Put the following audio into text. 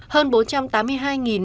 hơn bốn trăm tám mươi hai nợ gốc